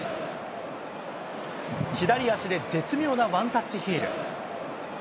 左足で絶妙なワンタッチヒール。